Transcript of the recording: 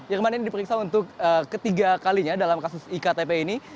irman ini diperiksa untuk ketiga kalinya dalam kasus iktp ini